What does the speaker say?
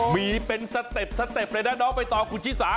มีเป็นสเต็ปเลยนะน้องไปต่อคุณชิซา